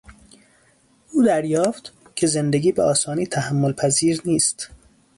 او دریافت که زندگی به آسانی تحمل پذیر نیست.